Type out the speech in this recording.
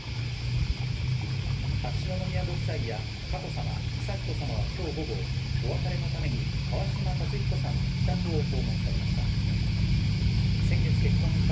秋篠宮ご夫妻や佳子さま、悠仁さまはきょう午後、お別れのために、川嶋辰彦さんの自宅を訪問されました。